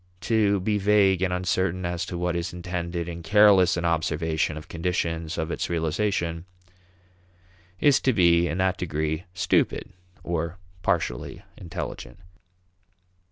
To be vague and uncertain as to what is intended and careless in observation of conditions of its realization is to be, in that degree, stupid or partially intelligent.